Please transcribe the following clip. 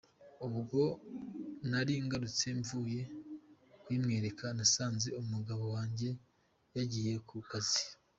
Ubwo nari ngarutse mvuye kuyimwereka nasanze umugabo wange yagiye ku kazi.